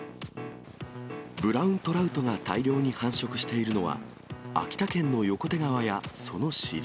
ブラウントラウトが大量に繁殖しているのは、秋田県の横手川やその支流。